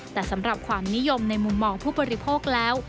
แต่สำหรับความนิยมในมุมมองผู้บริโภคแล้ว